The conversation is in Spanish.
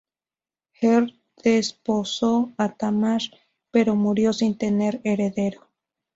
Er desposó a Tamar, pero murió sin tener heredero.